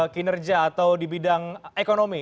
kinerja atau di bidang ekonomi